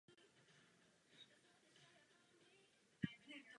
Je bez vstupní brány a trvale přístupný veřejnosti.